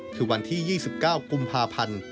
คือวันที่๒๙กุมภาพันธ์